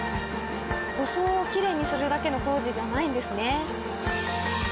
装をきれいにするだけの工事じゃないんですね。